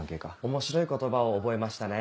面白い言葉を覚えましたね。